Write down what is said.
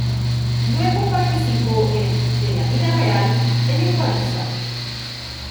Luego participó en "De la Vida Real" en Ecuavisa.